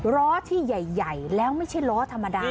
ล้อที่ใหญ่แล้วไม่ใช่ล้อธรรมดา